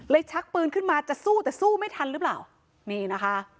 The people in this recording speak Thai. ชักปืนขึ้นมาจะสู้แต่สู้ไม่ทันหรือเปล่านี่นะคะ